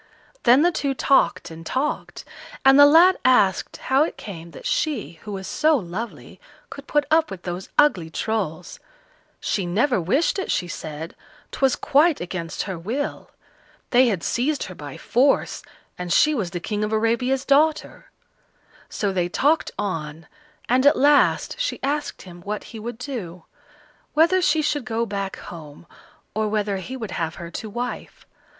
Then the two talked and talked, and the lad asked how it came that she, who was so lovely, could put up with those ugly Trolls. She never wished it, she said; 'twas quite against her will. They had seized her by force, and she was the King of Arabia's daughter. So they talked on, and at last she asked him what he would do; whether she should go back home, or whether he would have her to wife.